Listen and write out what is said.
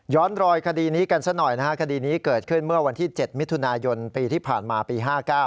รอยคดีนี้กันซะหน่อยนะฮะคดีนี้เกิดขึ้นเมื่อวันที่๗มิถุนายนปีที่ผ่านมาปี๕๙